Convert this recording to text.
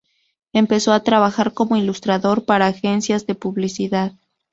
Empezó a trabajar como ilustrador para agencias de publicidad.